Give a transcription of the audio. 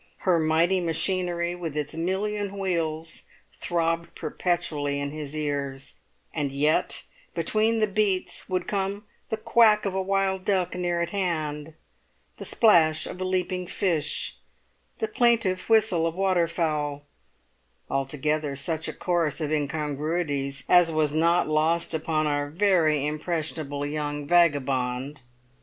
Her mighty machinery with its million wheels throbbed perpetually in his ears; and yet between the beats would come the quack of a wild duck near at hand, the splash of a leaping fish, the plaintive whistle of water fowl: altogether such a chorus of incongruities as was not lost upon our very impressionable young vagabond.